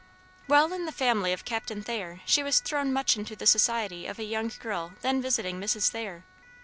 While in the family of Captain Thayer, she was thrown much into the society of a young girl then visiting Mrs. Thayer.